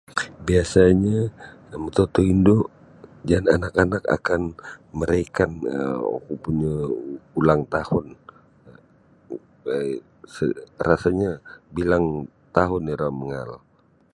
Biasanya matutuo indu jaan anak-anak akan maraihkan um oku punya ulangtahun um se rasanya bilang taun iro mangaal.